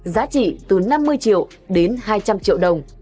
giá trị từ năm mươi triệu đến hai trăm linh triệu đồng